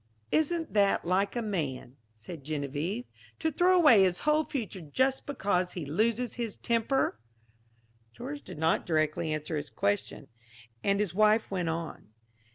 "Isn't that like a man," said Geneviève, "to throw away his whole future just because he loses his temper?" George did not directly answer this question, and his wife went on.